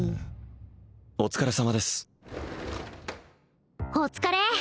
お疲れさまですお疲れ